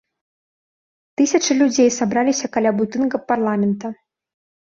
Тысячы людзей сабраліся каля будынка парламента.